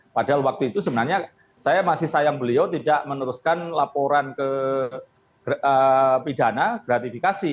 padahal waktu itu sebenarnya saya masih sayang beliau tidak meneruskan laporan ke pidana gratifikasi